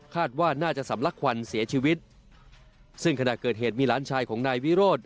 ว่าน่าจะสำลักควันเสียชีวิตซึ่งขณะเกิดเหตุมีหลานชายของนายวิโรธ